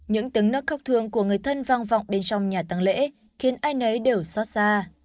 những tiếng nước khóc thương của người thân vang vọng bên trong nhà tăng lễ khiến ai nấy đều xót xa